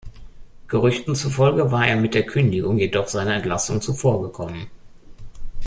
Gerüchten zufolge war er mit der Kündigung jedoch seiner Entlassung zuvorgekommen.